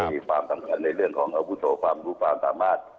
ให้ความจำกัดในเรื่องของอวุตโทษฟัมธุปราณตามารท